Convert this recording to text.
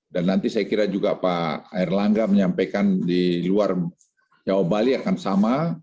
dan nanti saya kira juga pak erlangga menyampaikan di luar jawa bali akan sama